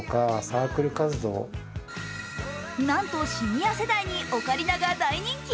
なんとシニア世代にオカリナが大人気。